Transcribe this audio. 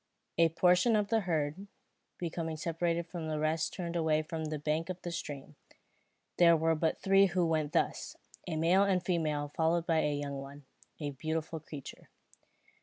A portion of the herd, becoming separated from the rest turned away from the bank of the stream. There were but three who went thus, a male and female followed by a young one, a beautiful creature.